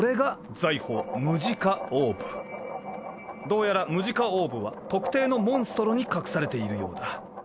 どうやらムジカオーブは特定のモンストロに隠されているようだ。